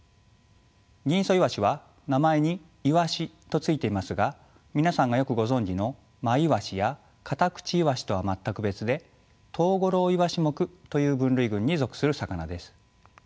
ギンイソイワシは名前に「イワシ」と付いていますが皆さんがよくご存じのマイワシやカタクチイワシとは全く別でトウゴロウイワシ目という分類群に属する魚です。